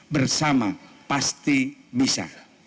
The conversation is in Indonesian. bersama pasti bisa